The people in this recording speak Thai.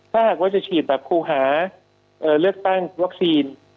ถ้าหากว่าจะฉีดแบบครูหาเลือกตั้งวัคซีน